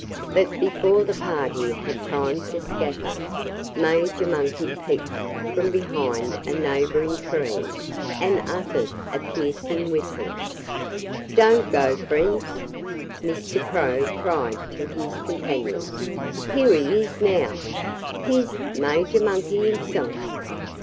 But before the party had time to scatter, Major Monkey peeped from behind a neighboring tree and uttered a piercing whistle. "Don't go, friends!" Mr. Crow cried to his companions. "Here he is now! Here's Major Monkey himself....